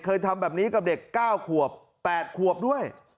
เคยทำแบบนี้กับเด็ก๙ขวบ๘ขวบด้วย